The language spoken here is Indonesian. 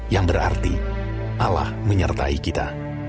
yang berarti allah menyertai kita